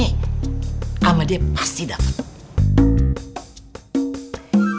sama dia pasti dapet